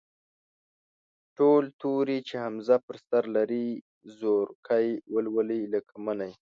ټول توري چې همزه پر سر لري، زورکی ولولئ، لکه: مٔنی.